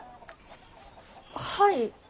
はい。